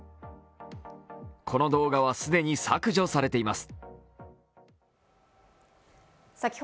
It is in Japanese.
この動画は既に削除されています。